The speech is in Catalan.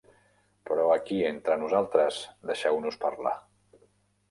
Però aquí, entre nosaltres, deixeu-nos parlar.